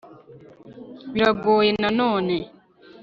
biragoye na none,